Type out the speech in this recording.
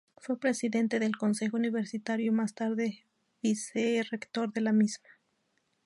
Fue Presidente del Consejo Universitario, y más tarde Vicerrector de la misma.